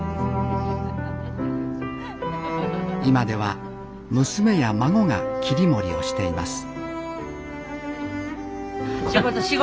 今では娘や孫が切り盛りをしています